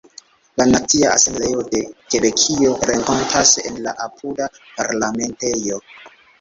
La Nacia Asembleo de Kebekio renkontas en la apuda Parlamentejo.